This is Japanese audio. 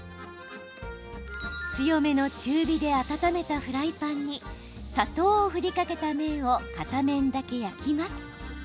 強めの中火で温めたフライパンに砂糖を振りかけた面を片面だけ焼きます。